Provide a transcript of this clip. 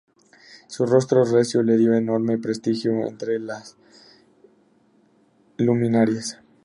Su rostro recio le dio enorme prestigio entre las luminarias.